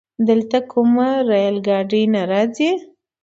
دلته کومه رايل ګاډی نه راځي؟